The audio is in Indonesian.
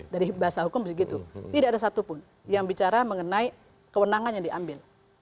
dari bahasa hukum begitu tidak ada satupun yang bicara mengenai kewenangan yang diambil